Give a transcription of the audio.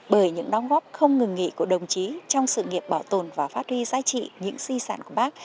bởi những đóng góp không ngừng nghỉ của đồng chí trong sự nghiệp bảo tồn và phát huy giá trị những di sản của bác